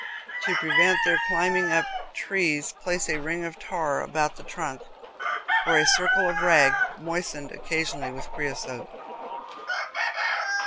To prevent their climbing up trees, place a ring of tar about the trunk, or a circle of rag moistened occasionally with creosote.